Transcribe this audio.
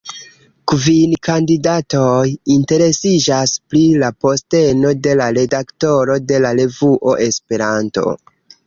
Kvin kandidatoj interesiĝas pri la posteno de redaktoro de la revuo Esperanto.